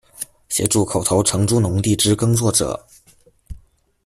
协助口头承租农地之耕作者